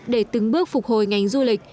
để từng bước phục hồi ngành du lịch